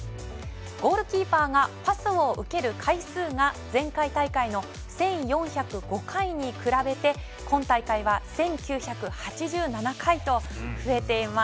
ゴールキーパーがパスを受ける回数が前回大会の１４０５回に比べて今大会は１９８７回と増えています。